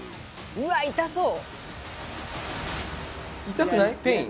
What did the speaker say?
うわっ痛そう！